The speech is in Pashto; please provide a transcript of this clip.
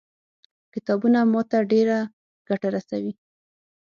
کتابونه ما ته ډېره ګټه رسوي.